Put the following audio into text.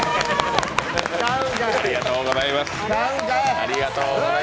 ありがとうございます。